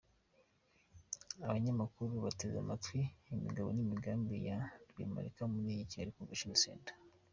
Abanyamakuru bateze amatwi imigabo n'imigambi ya Rwemarika muri Kigali Convention Center.